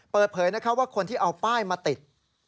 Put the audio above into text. เปิดเผยว่าคนที่เอาป้ายมาติด